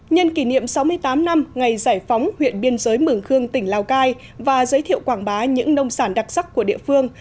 nhân kỷ niệm sáu mươi tám năm ngày giải phóng huyện biên giới mường khương tỉnh lào cai và giới thiệu quảng bá những nông sản đặc sắc của địa phương